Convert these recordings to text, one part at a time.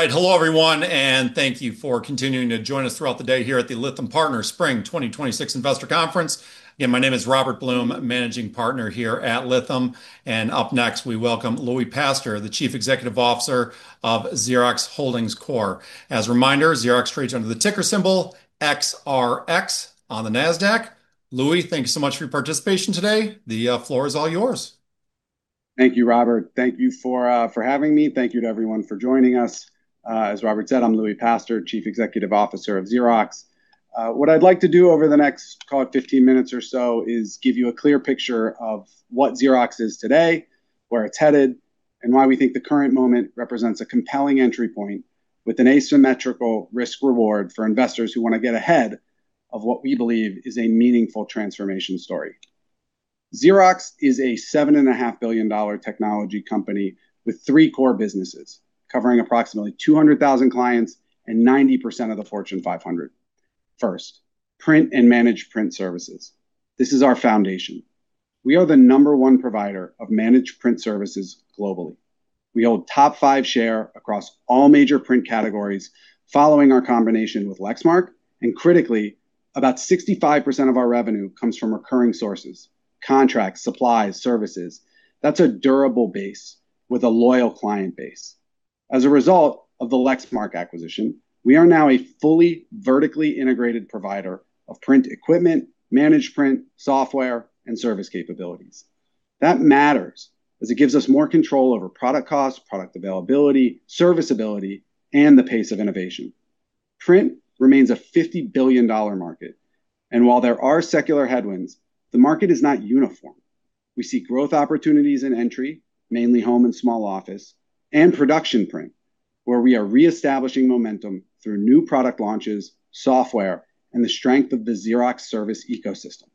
All right. Hello, everyone, and thank you for continuing to join us throughout the day here at the Lytham Partners Spring 2026 Investor Conference. Again, my name is Robert Blum, managing partner here at Lytham. Up next, we welcome Louie Pastor, the Chief Executive Officer of Xerox Holdings Corporation. As a reminder, Xerox trades under the ticker symbol XRX on the Nasdaq. Louie, thank you so much for your participation today. The floor is all yours. Thank you, Robert. Thank you for having me. Thank you to everyone for joining us. As Robert said, I'm Louie Pastor, Chief Executive Officer of Xerox. What I'd like to do over the next, call it 15 minutes or so, is give you a clear picture of what Xerox is today, where it's headed, and why we think the current moment represents a compelling entry point with an asymmetrical risk-reward for investors who want to get ahead of what we believe is a meaningful transformation story. Xerox is a $7.5 billion technology company with three core businesses, covering approximately 200,000 clients and 90% of the Fortune 500. First, print and managed print services. This is our foundation. We are the number one provider of managed print services globally. We hold top five share across all major print categories, following our combination with Lexmark, and critically, about 65% of our revenue comes from recurring sources, contracts, supplies, services. That's a durable base with a loyal client base. As a result of the Lexmark acquisition, we are now a fully vertically integrated provider of print equipment, managed print, software, and service capabilities. That matters as it gives us more control over product cost, product availability, serviceability, and the pace of innovation. Print remains a $50 billion market. While there are secular headwinds, the market is not uniform. We see growth opportunities in entry, mainly home and small office, and production print, where we are reestablishing momentum through new product launches, software, and the strength of the Xerox service ecosystem.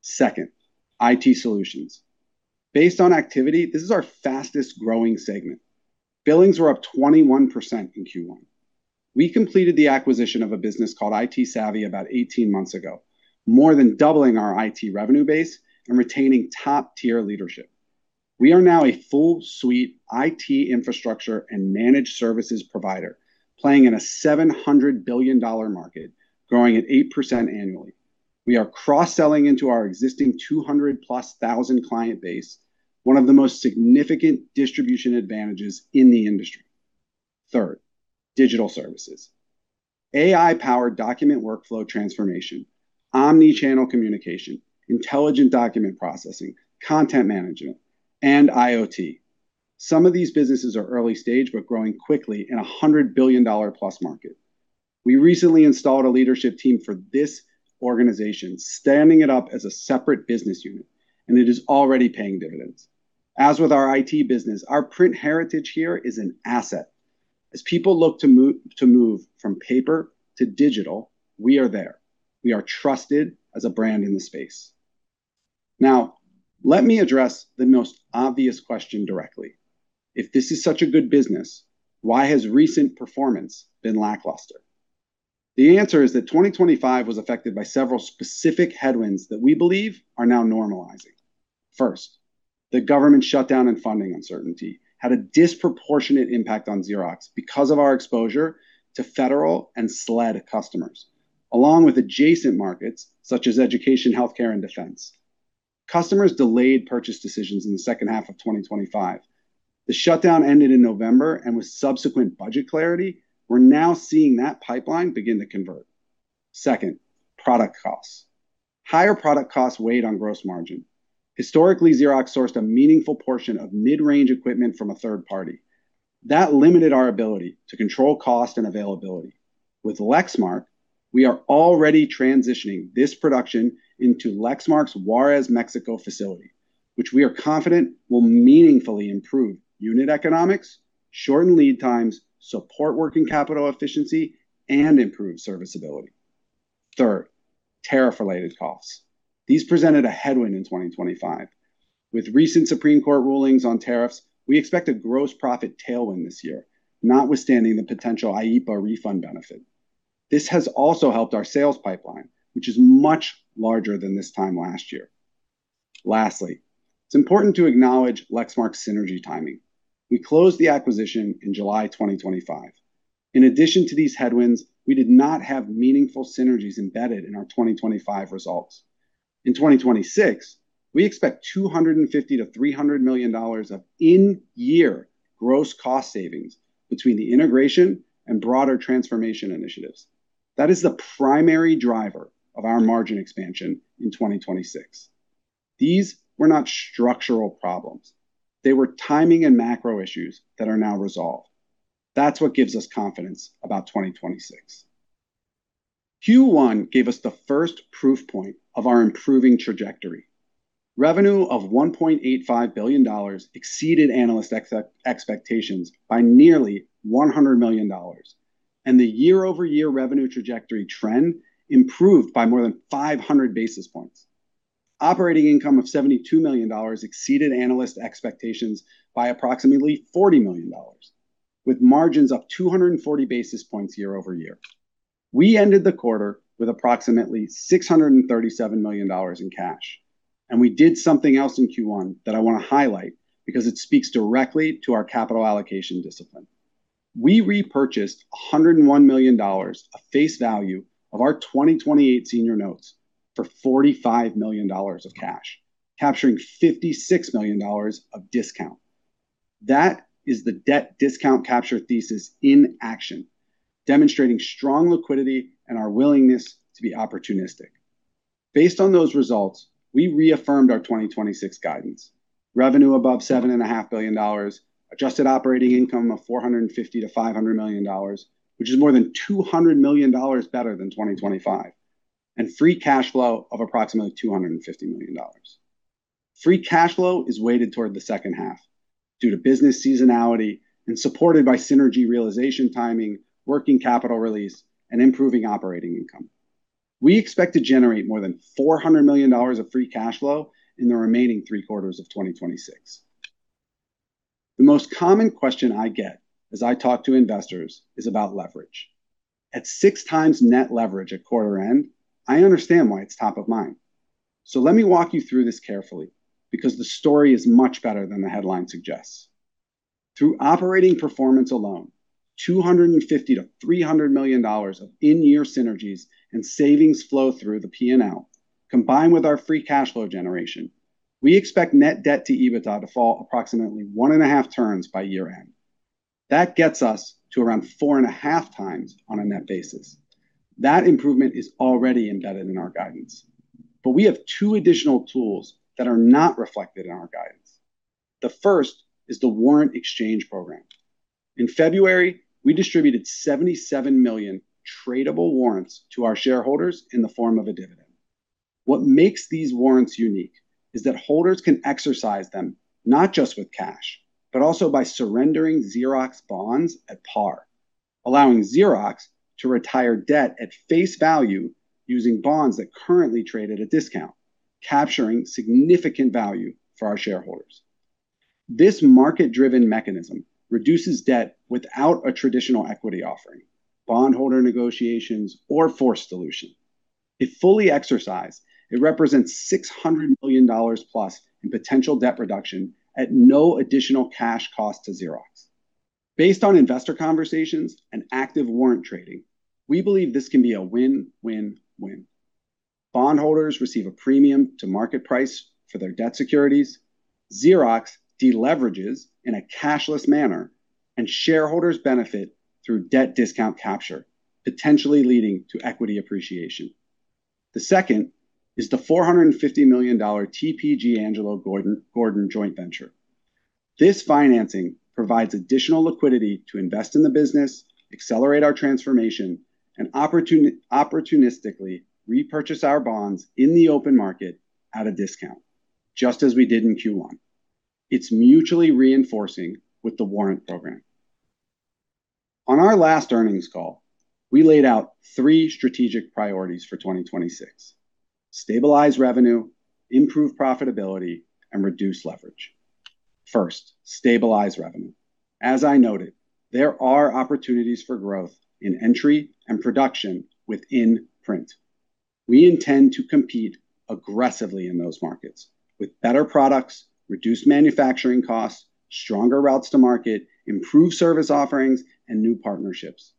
Second, IT solutions. Based on activity, this is our fastest-growing segment. Billings were up 21% in Q1. We completed the acquisition of a business called ITsavvy about 18 months ago, more than doubling our IT revenue base and retaining top-tier leadership. We are now a full suite IT infrastructure and managed services provider, playing in a $700 billion market, growing at 8% annually. We are cross-selling into our existing 200+ thousand client base, one of the most significant distribution advantages in the industry. Third, digital services. AI-powered document workflow transformation, omnichannel communication, intelligent document processing, content management, and IoT. Some of these businesses are early-stage but growing quickly in a $100+ billion market. We recently installed a leadership team for this organization, standing it up as a separate business unit, and it is already paying dividends. As with our IT business, our print heritage here is an asset. As people look to move from paper to digital, we are there. We are trusted as a brand in the space. Now, let me address the most obvious question directly. If this is such a good business, why has recent performance been lackluster? The answer is that 2025 was affected by several specific headwinds that we believe are now normalizing. First, the government shutdown and funding uncertainty had a disproportionate impact on Xerox because of our exposure to federal and SLED customers, along with adjacent markets such as education, healthcare, and defense. Customers delayed purchase decisions in the second half of 2025. The shutdown ended in November, and with subsequent budget clarity, we're now seeing that pipeline begin to convert. Second, product costs. Higher product costs weighed on gross margin. Historically, Xerox sourced a meaningful portion of mid-range equipment from a third party. That limited our ability to control cost and availability. With Lexmark, we are already transitioning this production into Lexmark's Juarez, Mexico facility, which we are confident will meaningfully improve unit economics, shorten lead times, support working capital efficiency, and improve serviceability. Third, tariff-related costs. These presented a headwind in 2025. With recent Supreme Court rulings on tariffs, we expect a gross profit tailwind this year, notwithstanding the potential IEEPA refund benefit. This has also helped our sales pipeline, which is much larger than this time last year. Lastly, it's important to acknowledge Lexmark synergy timing. We closed the acquisition in July 2025. In addition to these headwinds, we did not have meaningful synergies embedded in our 2025 results. In 2026, we expect $250 million-$300 million of in-year gross cost savings between the integration and broader transformation initiatives. That is the primary driver of our margin expansion in 2026. These were not structural problems. They were timing and macro issues that are now resolved. That is what gives us confidence about 2026. Q1 gave us the first proof point of our improving trajectory. Revenue of $1.85 billion exceeded analyst expectations by nearly $100 million, and the year-over-year revenue trajectory trend improved by more than 500 basis points. Operating income of $72 million exceeded analyst expectations by approximately $40 million, with margins up 240 basis points year-over-year. We ended the quarter with approximately $637 million in cash. We did something else in Q1 that I want to highlight because it speaks directly to our capital allocation discipline. We repurchased $101 million of face value of our 2028 senior notes for $45 million of cash, capturing $56 million of discount. That is the debt discount capture thesis in action, demonstrating strong liquidity and our willingness to be opportunistic. Based on those results, we reaffirmed our 2026 guidance. Revenue above $7.5 billion, adjusted operating income of $450 million-$500 million, which is more than $200 million better than 2025. Free cash flow of approximately $250 million. Free cash flow is weighted toward the second half due to business seasonality and supported by synergy realization timing, working capital release, and improving operating income. We expect to generate more than $400 million of free cash flow in the remaining three quarters of 2026. The most common question I get as I talk to investors is about leverage. At 6x net leverage at quarter end, I understand why it's top of mind. Let me walk you through this carefully, because the story is much better than the headline suggests. Through operating performance alone, $250 million-$300 million of in-year synergies and savings flow through the P&L. Combined with our free cash flow generation, we expect net debt to EBITDA to fall approximately 1.5 turns by year-end. That gets us to around 4.5x on a net basis. That improvement is already embedded in our guidance. We have two additional tools that are not reflected in our guidance. The first is the warrant exchange program. In February, we distributed 77 million tradable warrants to our shareholders in the form of a dividend. What makes these warrants unique is that holders can exercise them not just with cash, but also by surrendering Xerox bonds at par, allowing Xerox to retire debt at face value using bonds that currently trade at a discount, capturing significant value for our shareholders. This market-driven mechanism reduces debt without a traditional equity offering, bondholder negotiations, or forced dilution. If fully exercised, it represents $600+ million in potential debt reduction at no additional cash cost to Xerox. Based on investor conversations and active warrant trading, we believe this can be a win-win-win. Bondholders receive a premium to market price for their debt securities, Xerox de-leverages in a cashless manner, and shareholders benefit through debt discount capture, potentially leading to equity appreciation. The second is the $450 million TPG Angelo Gordon joint venture. This financing provides additional liquidity to invest in the business, accelerate our transformation, and opportunistically repurchase our bonds in the open market at a discount, just as we did in Q1. It's mutually reinforcing with the warrant program. On our last earnings call, we laid out three strategic priorities for 2026: stabilize revenue, improve profitability, and reduce leverage. First, stabilize revenue. As I noted, there are opportunities for growth in entry and production within print. We intend to compete aggressively in those markets with better products, reduced manufacturing costs, stronger routes to market, improved service offerings, and new partnerships.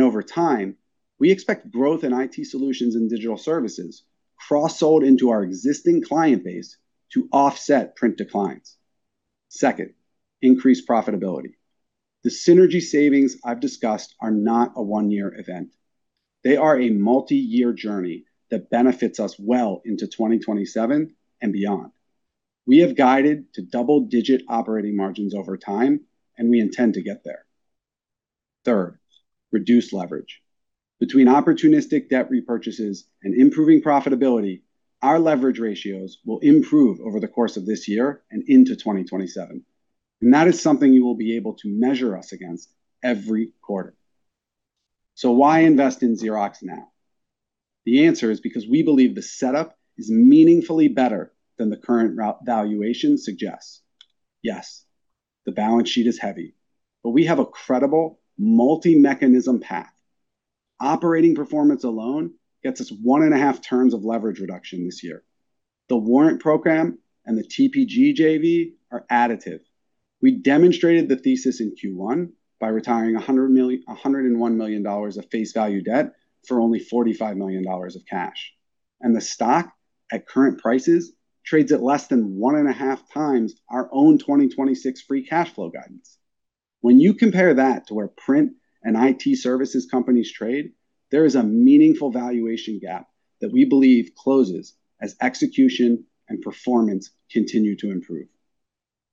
Over time, we expect growth in IT solutions and digital services cross-sold into our existing client base to offset print declines. Second, increase profitability. The synergy savings I've discussed are not a one-year event. They are a multi-year journey that benefits us well into 2027 and beyond. We have guided to double-digit operating margins over time, and we intend to get there. Third, reduce leverage. Between opportunistic debt repurchases and improving profitability, our leverage ratios will improve over the course of this year and into 2027. That is something you will be able to measure us against every quarter. Why invest in Xerox now? The answer is because we believe the setup is meaningfully better than the current valuation suggests. Yes, the balance sheet is heavy. We have a credible multi-mechanism path. Operating performance alone gets us 1.5 turns of leverage reduction this year. The warrant program and the TPG JV are additive. We demonstrated the thesis in Q1 by retiring $101 million of face value debt for only $45 million of cash. The stock, at current prices, trades at less than 1.5x our own 2026 free cash flow guidance. When you compare that to where print and IT services companies trade, there is a meaningful valuation gap that we believe closes as execution and performance continue to improve.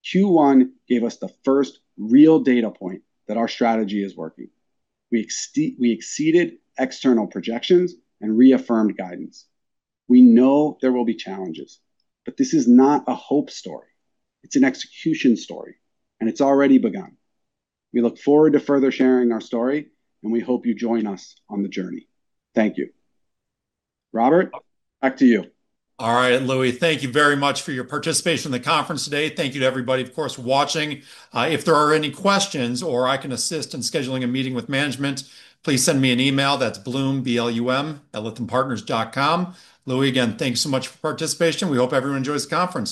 Q1 gave us the first real data point that our strategy is working. We exceeded external projections and reaffirmed guidance. We know there will be challenges, but this is not a hope story. It's an execution story, and it's already begun. We look forward to further sharing our story, and we hope you join us on the journey. Thank you. Robert, back to you. All right, Louie, thank you very much for your participation in the conference today. Thank you to everybody, of course, watching. If there are any questions or I can assist in scheduling a meeting with management, please send me an email. That's Blum, B-L-U-M, @lythampartners.com. Louie, again, thanks so much for your participation. We hope everyone enjoys the conference.